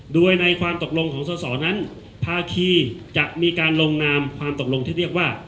โดยในความตกลงของสอสอนั้นภาคีจะมีการลงนามความตกลงที่เรียกว่า